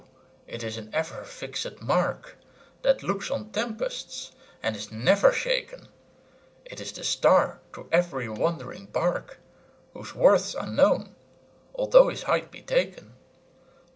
it is an ever fixed mark, That looks on tempests and is never shaken; It is the star to every wandering bark, Whose worth's unknown, although his height be taken.